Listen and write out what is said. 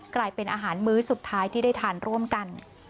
กลายเป็นอาหารมื้อสุดท้ายที่ได้ทานร่วมกัน